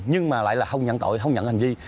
nhưng mà lại là không nhận tội không nhận hành vi